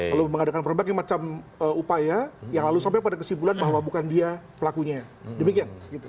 lalu mengadakan berbagai macam upaya yang lalu sampai pada kesimpulan bahwa bukan dia pelakunya demikian